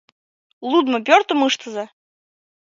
ЛУДМО ПӦРТЫМ ЫШТЫЗА